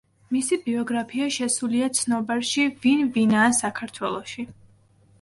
მისი ბიოგრაფია შესულია ცნობარში „ვინ ვინაა საქართველოში“.